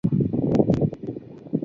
担任武警黑龙江总队队长。